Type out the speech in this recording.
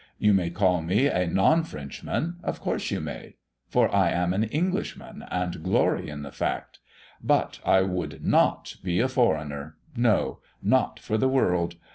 You may call me a non Frenchman of course you may; for I am an Englishman and glory in the fact, but I would not be a foreigner no! not for the world!